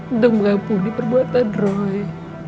untuk mengampuni perbuatan roy